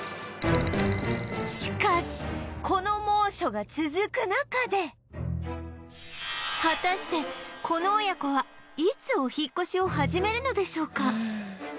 しかしこの猛暑が続く中で果たしてこの親子はいつお引っ越しを始めるのでしょうか？